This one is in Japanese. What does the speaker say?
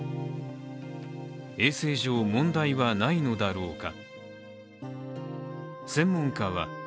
衛生上、問題はないのだろうか？